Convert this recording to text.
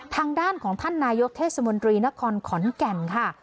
ทางด้านของท่านนายกเทศมนตรีนครขอนแก่นค่ะ